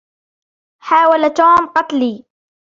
حاول توم قتلي.